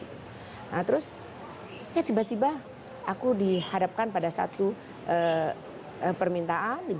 nah terus ya tiba tiba aku dihadapkan pada satu permintaan